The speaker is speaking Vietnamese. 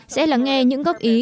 sẽ lắng nghe những góp ý